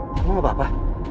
kamu gak apa apa